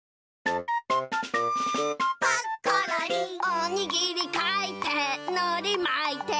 「おにぎりかいてのりまいて」